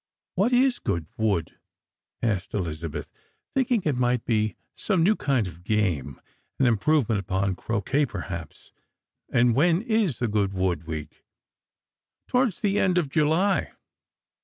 " What is Goodwood ?" asked Elizabeth, thinking it might be some new kind of game — an improvement upon croquet perhaps; "and when is the Goodwood week? "" Towards the end of July."